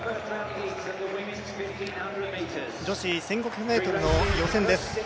女子１５００ｍの予選です。